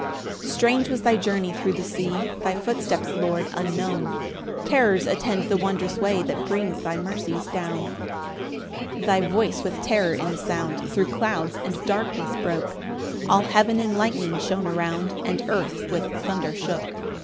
7 Strange was thy journey thro' the sea, Thy footsteps, Lord, unknown, Terrors attend the wondrous way That brings thy mercies down. 8 [Thy voice with terror in the sound Thro' clouds and darkness broke; All heaven in lightning shone around, And earth with thunder shook.